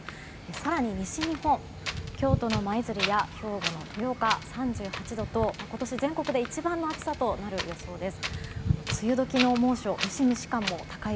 更に西日本京都の舞鶴や兵庫の豊岡３８度と今年、全国で一番の暑さとなる予想です。